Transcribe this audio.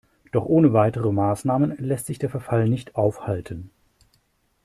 Doch ohne weitere Maßnahmen lässt sich der Verfall nicht aufhalten.